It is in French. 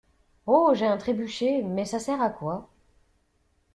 Ho j'ai un trébuchet, mais ça sert à quoi?